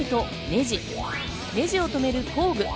ネジを止める工具。